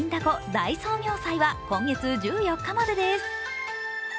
大創業祭は今月１４日までです。